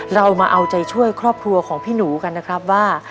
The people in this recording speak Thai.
เรามาเอาใจช่วยครอบครัวของพี่หนูกันนะครับว่า